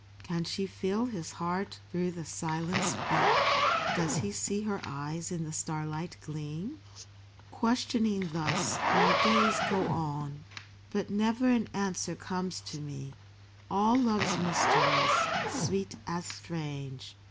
Can she feel his heart through the silence beat ? Does he see her eyes in the starlight gleam ? Questioning thus, my days go on ; But never an answer comes to me : All love's mysteries, sweet as strange.